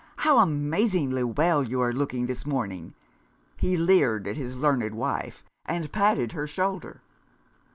How amazingly well you are looking this morning!" He leered at his learned wife, and patted her shoulder!